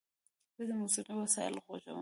زه د موسیقۍ وسایل غږوم.